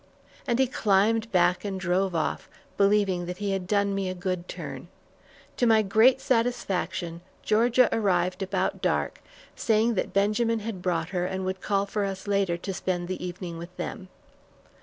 And he climbed back and drove off, believing that he had done me a good turn. To my great satisfaction, Georgia arrived about dark, saying that Benjamin had brought her and would call for us later to spend the evening with them.